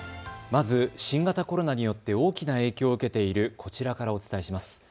まず新型コロナによって大きな影響を受けているこちらからお伝えします。